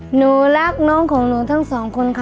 หนูรักน้องของหนูทั้งสองคนค่ะ